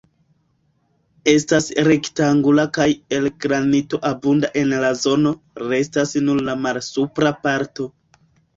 Estas rektangula kaj el granito abunda en la zono: restas nur la malsupra parto.